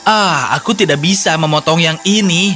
ah aku tidak bisa memotong yang ini